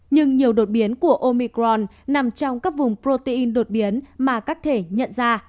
nhưng nhiều đột biến của omicron nằm trong các vùng protein đột biến mà các thể nhận ra